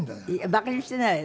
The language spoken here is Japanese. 馬鹿にしていないわよ。